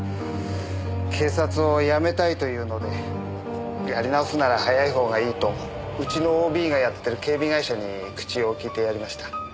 警察を辞めたいというのでやり直すなら早い方がいいとうちのＯＢがやってる警備会社に口を利いてやりました。